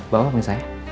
bawa pengisah ya